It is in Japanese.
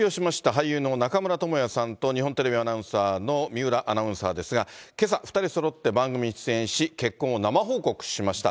俳優の中村倫也さんと、日本テレビアナウンサーの水卜アナウンサーですが、けさ、２人そろって番組に出演し、結婚を生報告しました。